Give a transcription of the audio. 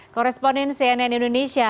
koresponen cnn indonesia